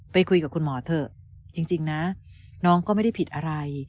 ไปคุยกับคุณหมอเถอะจริงนะน้องก็ไม่ได้ผิดอะไร